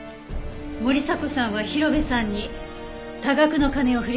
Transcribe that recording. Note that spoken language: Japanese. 森迫さんは広辺さんに多額の金を振り込んでいました。